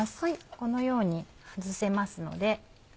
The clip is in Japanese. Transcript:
このように外せますので。